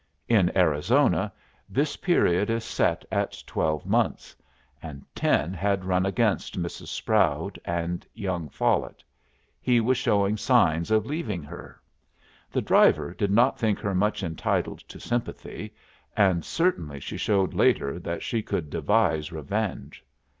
In Arizona this period is set at twelve months, and ten had run against Mrs. Sproud and young Follet. He was showing signs of leaving her. The driver did not think her much entitled to sympathy, and certainly she showed later that she could devise revenge.